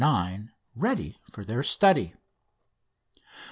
9" ready for their study.